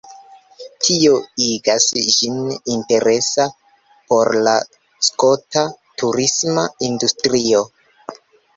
Tio igas ĝin interesa por la skota turisma industrio.